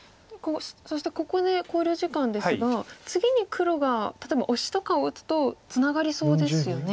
そしてここで考慮時間ですが次に黒が例えばオシとかを打つとツナがりそうですよね。